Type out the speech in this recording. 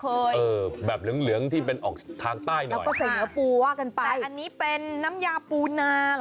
เออแบบเหลืองที่เป็นออกทางใต้หน่อยค่ะแต่อันนี้เป็นน้ำยาปูนาเหรอ